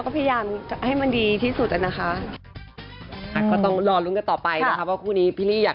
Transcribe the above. กลับมาเป็นเหมือนเดิมไหมครับเนี่ย